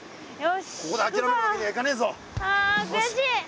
ああ悔しい！